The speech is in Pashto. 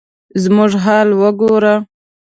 زموږ حال وګوره ؟